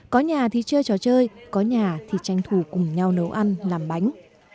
có nhà thì chơi trò chơi có nhà thì tranh thủ cùng nhau nấu ăn làm bánh